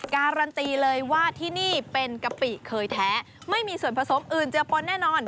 การันตีเลยว่าที่นี่เป็นกะปิเคยแท้ไม่มีส่วนผสมอื่นเจอปนแน่นอน